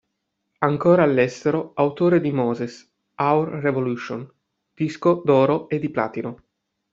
Ancora all'estero autore di Moses "Our Revolution", disco d'oro e di platino.